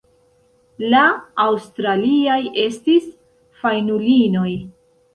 La aŭstraliaj estis fajnulinoj.